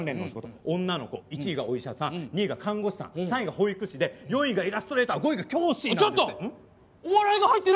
女の子１位がお医者さん２位が看護師さん３位が保育士で４位がイラストレーター５位が教師なんですって。